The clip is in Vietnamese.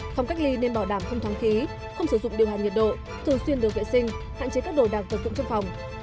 phòng cách ly nên bỏ đảm không thoáng khí không sử dụng điều hàn nhiệt độ thường xuyên đường vệ sinh hạn chế các đồ đàng phân dụng trong phòng